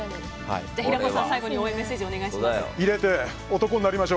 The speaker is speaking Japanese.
平子さん、最後に応援メッセージお願いします。